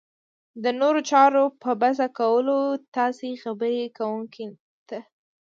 د نورو چارو په بس کولو تاسې خبرې کوونکي ته